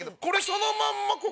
これそのまんま